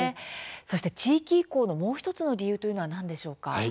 そして地域移行のもう１つの理由というのは何でしょうか？